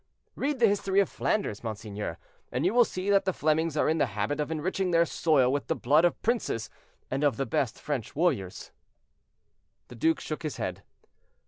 Read the history of Flanders, monseigneur, and you will see that the Flemings are in the habit of enriching their soil with the blood of princes, and of the best French warriors." The duke shook his head.